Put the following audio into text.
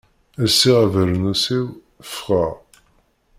Lsiɣ abernus-iw, ffɣeɣ.